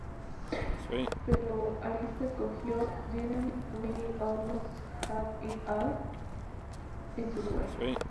Pero Arista escogió "Didn't We Almost Have It All" en su lugar.